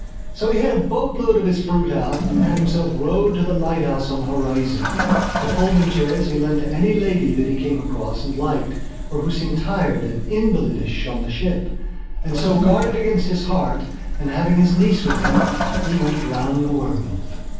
So he had a boatload of his fruit out and had himself rowed to the lighthouse on the horizon. The folding chairs he lent to any lady that he came across and liked or who seemed tired and invalidish on the ship. And so, guarded against his heart and, having his niece with him, he went round the world....